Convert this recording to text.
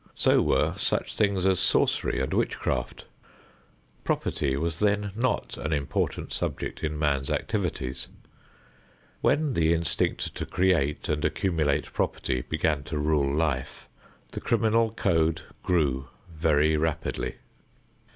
So were such things as sorcery and witchcraft. Property was then not an important subject in man's activities. When the instinct to create and accumulate property began to rule life, the criminal code grew very rapidly.